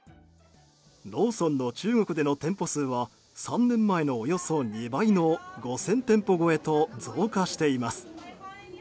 ローソンの中国での店舗数は３年前のおよそ２倍の５０００店舗超えと増加しています。